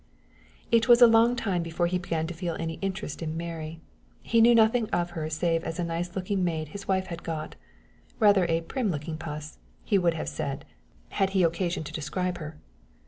It was a long time before he began to feel any interest in Mary. He knew nothing of her save as a nice looking maid his wife had got rather a prim looking puss, he would have said, had he had occasion to describe her.